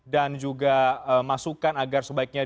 dan juga masukan agar sebaiknya